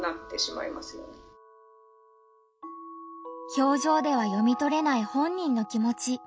表情では読みとれない本人の気持ち。